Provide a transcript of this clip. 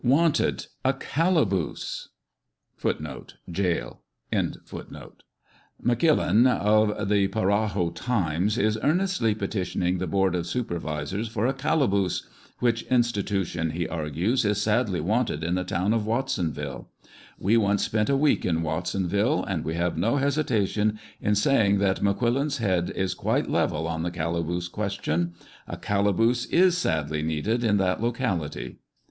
" Wanted, a calaboose* M'Quillan, of the Parajo Times, is earnestly petitioning the board of supervisors for a calaboose, which in stitution, he argues, is sadly wanted in the town of Watsonville. We once spent a week in Watsonville, and we have no hesitation in say ing that M'Quillan's head is quite level on the calaboose question. A calaboose is sadly needed in that locality."